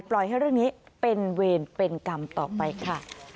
ปล่อยให้เรื่องนี้เป็นเวรเป็นกรรมต่อไปค่ะ